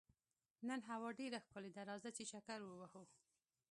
نن هوا ډېره ښکلې ده، راځه چې چکر ووهو.